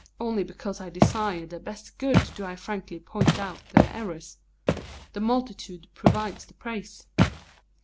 Only because I desire their best good do I frankly point out their errors. The multitude provides the praise.